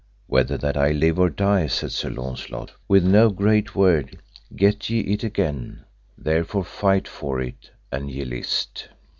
Whether that I live or die, said Sir Launcelot, with no great word get ye it again, therefore fight for it an ye list.